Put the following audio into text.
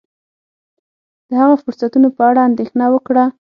د هغه فرصتونو په اړه اندېښنه وکړه.